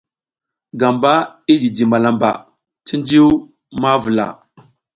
Gamba i jiji malamba cuncu ma vula.